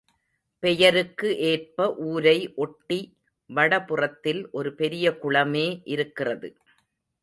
பெயருக்கு ஏற்ப ஊரை ஒட்டி வடபுறத்தில் ஒரு பெரிய குளமே இருக்கிறது.